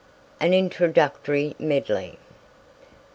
AN INTRODUCTORY MEDLEY.